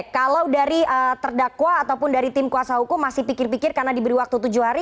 kalau dari terdakwa ataupun dari tim kuasa hukum masih pikir pikir karena diberi waktu tujuh hari